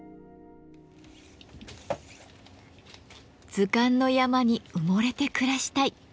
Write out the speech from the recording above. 「図鑑の山に埋もれて暮らしたい」